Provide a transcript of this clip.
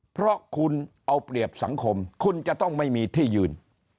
เพราะคุณเอาเปรียบสังคมคุณจะต้องไม่มีที่ยืน